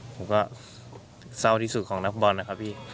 ผมก็เศร้าที่สุดของนักฟุตบอลนะครับพี่